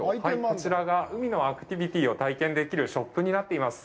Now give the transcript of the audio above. こちらが海のアクティビティを体験できるショップになっています。